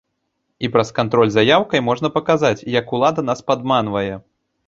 І праз кантроль за яўкай можна паказаць, як улада нас падманвае.